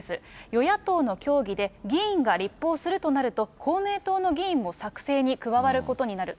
与野党の協議で議員が立法するとなると、公明党の議員も作成に加わることになる。